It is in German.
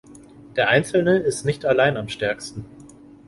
Der Einzelne ist nicht allein am stärksten.